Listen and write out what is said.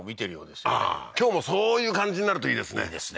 今日もそういう感じになるといいですねいいですね